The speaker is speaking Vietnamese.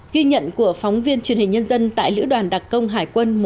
ghi nhận của phóng viên truyền hình nhân dân tại lữ đoàn đặc công hải quân một trăm một mươi